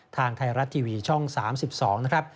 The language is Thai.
ทางไทยรัฐทีวีช่อง๓๒นะครับ